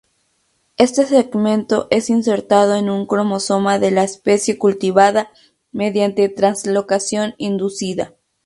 Este segmento es insertado en un cromosoma de la especie cultivada mediante translocación inducida.